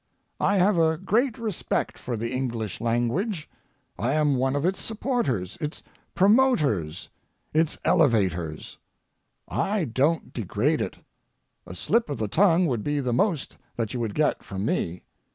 I have a great respect for the English language. I am one of its supporters, its promoters, its elevators. I don't degrade it. A slip of the tongue would be the most that you would get from me.